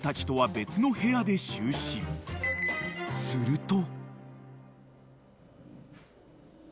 ［すると］